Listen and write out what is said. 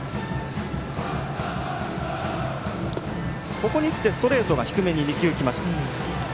ここにきて、ストレートが低めに２球きました。